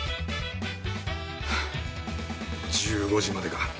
１５時までか。